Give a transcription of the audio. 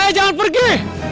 kicaya jangan pergi